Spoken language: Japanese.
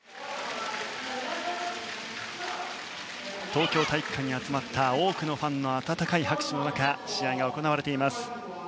東京体育館に集まった多くのファンの温かい拍手の中試合が行われています。